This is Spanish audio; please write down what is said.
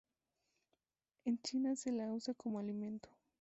En China se la usa como alimento.